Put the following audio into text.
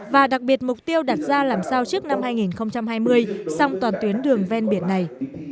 và đặc biệt mục tiêu đặt ra làm sao trước năm hai nghìn hai mươi xong toàn tuyến đường ven biển này